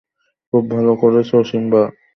খুব ভালো করেছ, সিম্বা!